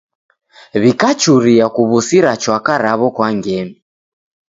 W'ikachuria kuw'usira chwaka raw'o kwa ngemi.